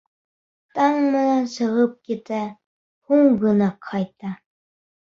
Таң менән сығып китә, һуң ғына ҡайта.